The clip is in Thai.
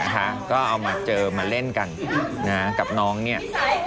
ก็เอามาเจอมาเล่นกันกับน้องเนี่ย